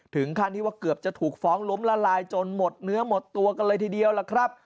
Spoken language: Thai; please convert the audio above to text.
ถึงขั้นที่ว่าเกือบจะถูกฟ้องล้มละลายจนหมดเนื้อหมดตัวกันเลยทีเดียวล่ะครับ